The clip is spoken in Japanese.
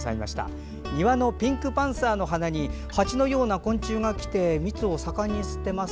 庭のピンクパンサーの花にハチのような昆虫が来て蜜を盛んに吸ってます。